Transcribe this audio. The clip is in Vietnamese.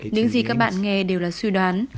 những gì các bạn nghe đều là suy đoán